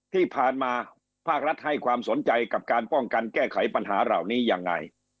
ที่ผ่านมาภาครัฐให้ความสนใจกับการป้องกันแก้ไขปัญหาเหล่านี้ยังไง